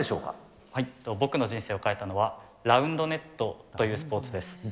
僕の人生を変えたのは、ラウンドネットというスポーツです。